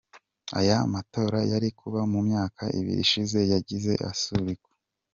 Aya matora yari kuba mu myaka ibiri ishize yagiye asubikwa.